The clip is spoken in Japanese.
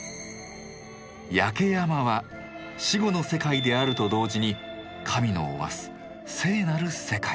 焼山は死後の世界であると同時に神のおわす「聖」なる世界。